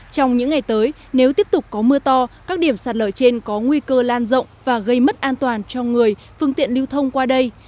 trong những ngày tới nếu tiếp tục có mưa to các điểm sạt lở trên có nguy cơ lan rộng và gây mất an toàn cho người phương tiện lưu thông qua đây